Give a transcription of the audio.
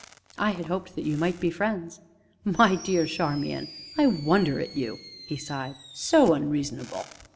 "I had hoped that you might be friends." "My dear Charmian I wonder at you!" he sighed, "so unreasonable.